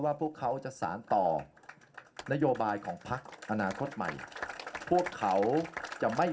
พวกเขาจะสารต่อนโยบายของพักอนาคตใหม่พวกเขาจะไม่